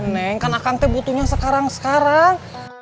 neng kan akan teh butuhnya sekarang sekarang